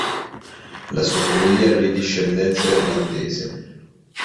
La sua famiglia era di discendenza irlandese.